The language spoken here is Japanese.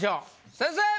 先生！